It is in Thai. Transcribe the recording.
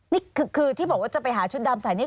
นี่คือที่บอกว่าจะไปหาชุดดำใส่นี่